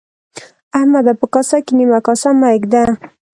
احمده! په کاسه کې نيمه کاسه مه اېږده.